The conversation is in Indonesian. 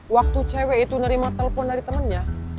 waktu cewek itu nerima telepon dari temennya